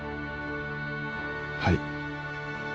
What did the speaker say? はい。